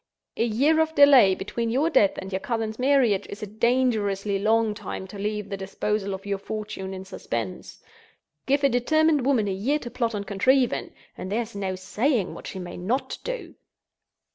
A year of delay, between your death and your cousin's marriage, is a dangerously long time to leave the disposal of your fortune in suspense. Give a determined woman a year to plot and contrive in, and there is no saying what she may not do."